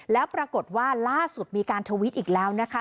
แล้วปรากฏว่าล่าสุดมีการทวิตอีกแล้วนะคะ